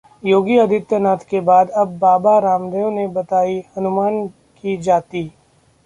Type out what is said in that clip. योगी आदित्यनाथ के बाद अब बाबा रामदेव ने बताई हनुमान की जाति